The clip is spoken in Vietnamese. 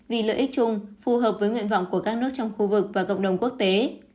vì lợi ích chung phù hợp với nguyện vọng của các nước trong khu vực và cộng đồng quốc tế